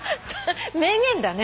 名言だね。